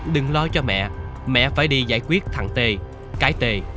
đừng lo cho mẹ mẹ phải đi giải quyết thằng t cái t